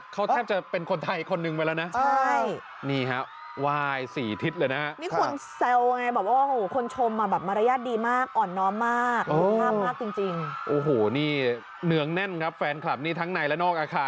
แข็มได้มิตรได้ชื่อเพื่อนฟังแจบไข